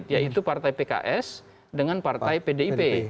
yaitu partai pks dengan partai pdip